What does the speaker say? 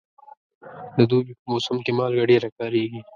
د دوبي په موسم کې مالګه ډېره کارېږي.